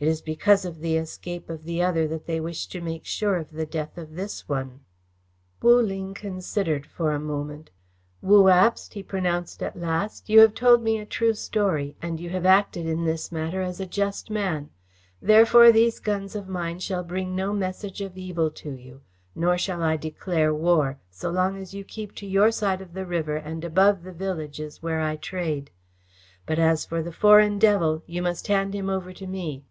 "It is because of the escape of the other that they wish to make sure of the death of this one." Wu Ling considered for a moment. "Wu Abst," he pronounced at last, "you have told me a true story, and you have acted in this matter as a just man. Therefore these guns of mine shall bring no message of evil to you, nor shall I declare war, so long as you keep to your side of the river and above the villages where I trade. But as for the foreign devil, you must hand him over to me."